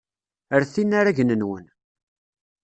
Ret inaragen-nwen.